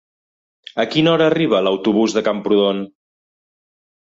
A quina hora arriba l'autobús de Camprodon?